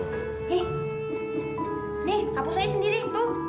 hei nih hapus aja sendiri tuh